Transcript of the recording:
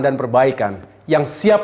dan perbaikan yang siap